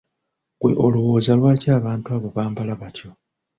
Ggwe olowooza lwaki abantu abo bambala batyo?